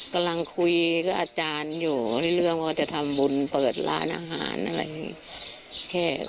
กำลังคุยกับอาจารย์อยู่ในเรื่องว่าจะทำบุญเปิดร้านอาหารอะไรอย่างนี้